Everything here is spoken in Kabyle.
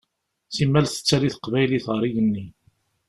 Simmal tettali teqbaylit ar igenni.